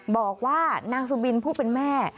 บอกว่านางสุบินผู้เป็นแม่